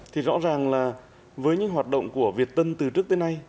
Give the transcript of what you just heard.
thì rõ ràng là với những hoạt động của việt tân từ trước tới nay